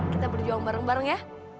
kita berjuang bareng bareng ya